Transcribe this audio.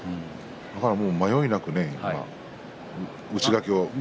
だから迷いなく内掛けをね。